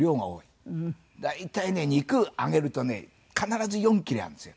大体ね肉揚げるとね必ず４切れあるんですよ。